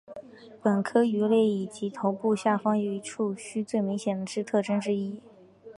本科鱼类以其头部下方有一对触须为最明显之特征之一。